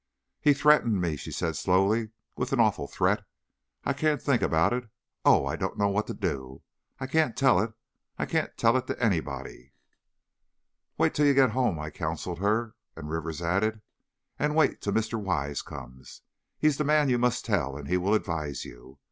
"He threatened me," she said, slowly; "with an awful threat! I can't think about it! Oh, I don't know what to do! I can't tell it I can't tell it to anybody " "Wait till you get home," I counseled her, and Rivers added, "And wait till Mr. Wise comes. He's the man you must tell, and he will advise you.